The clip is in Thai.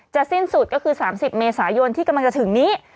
สิ้นสุดก็คือ๓๐เมษายนที่กำลังจะถึงนี้